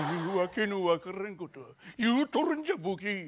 何訳の分からんこと言うとるんじゃボケ！